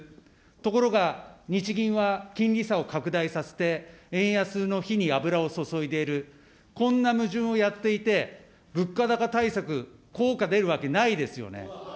ところが、日銀は金利差を拡大させて、円安の火に油を注いでいる、こんな矛盾をやっていて、物価高対策、効果出るわけないですよね。